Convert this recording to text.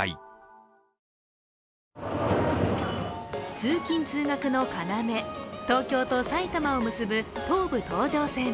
通勤・通学の要、東京と埼玉を結ぶ東武東上線。